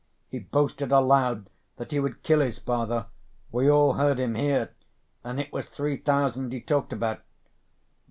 "He boasted aloud that he would kill his father; we all heard him, here. And it was three thousand he talked about